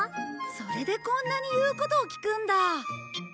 それでこんなに言うことを聞くんだ。